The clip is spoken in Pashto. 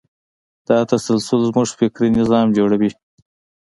دا تسلسل زموږ فکري نظام جوړوي.